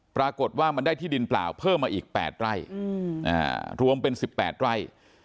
ปรากฏว่ามันได้ที่ดินเปล่าเพิ่มมาอีก๘ไร่รวมเป็น๑๘ไร่